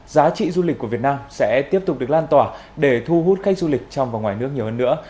giá trị du lịch của việt nam sẽ tiếp tục được lan tỏa để thu hút khách du lịch trong và ngoài nước nhiều hơn nữa